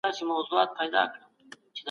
پانګه د توليد د لګښتونو په کمېدو کي رول لري.